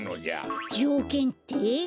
じょうけんって？